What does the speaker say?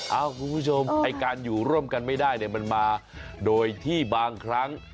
คุณผู้ชมไอ้การอยู่ร่วมกันไม่ได้เนี่ยมันมาโดยที่บางครั้ง